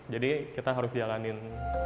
jadi kita harus jalanin